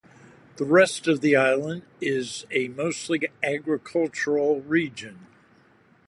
The rest of the island is a mostly agricultural region.